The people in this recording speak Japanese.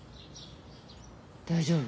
大丈夫。